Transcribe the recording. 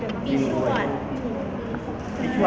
โดดีโดดีโด